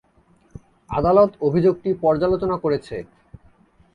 আদালত অভিযোগটি পর্যালোচনা করেছে।